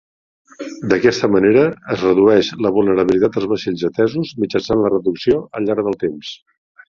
D'aquesta manera es redueix la vulnerabilitat dels vaixells atesos mitjançant la reducció al llarg del temps.